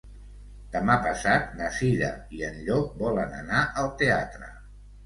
Demà passat na Cira i en Llop volen anar al teatre.